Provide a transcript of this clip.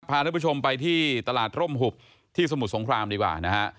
ท่านผู้ชมไปที่ตลาดร่มหุบที่สมุทรสงครามดีกว่านะฮะ